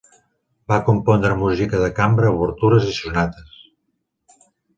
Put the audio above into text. Va compondre música de cambra, obertures i sonates.